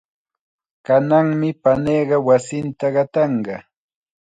Kananmi paniiqa wasinta qatanqa.